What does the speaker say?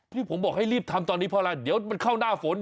ที่ผมบอกให้รีบทำตอนนี้เพราะอะไรเดี๋ยวมันเข้าหน้าฝน